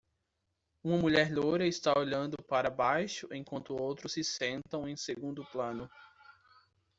Uma mulher loira está olhando para baixo, enquanto outros se sentam em segundo plano.